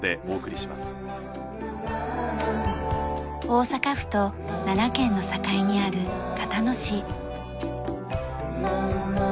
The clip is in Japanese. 大阪府と奈良県の境にある交野市。